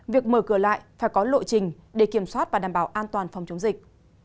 việc mở cửa lại phải có lộ trình để kiểm soát và đảm bảo an toàn phòng chống dịch